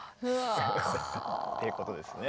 すごい。ということですね。